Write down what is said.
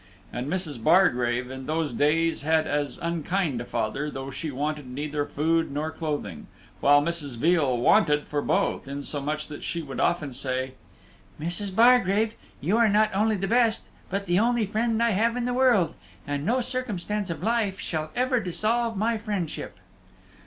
And Mrs. Bargrave in those days had as unkind a father, though she wanted neither for food nor clothing; while Mrs. Veal wanted for both, insomuch that she would often say, "Mrs. Bargrave, you are not only the best, but the only friend I have in the world; and no circumstance of life shall ever dissolve my friendship."